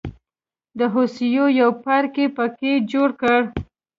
د هوسیو یو پارک یې په کې جوړ کړ.